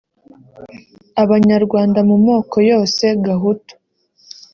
Abanyarwanda mu moko yose Gahutu